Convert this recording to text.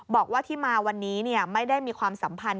บอกว่าที่มาวันนี้ไม่ได้มีความสัมพันธ